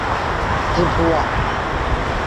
斯普瓦。